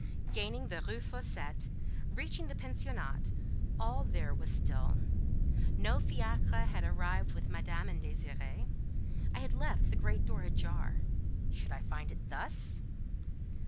Gaining the Rue Fossette, reaching the pensionnat, all there was still; no fiacre had yet arrived with Madame and Désirée. I had left the great door ajar; should I find it thus?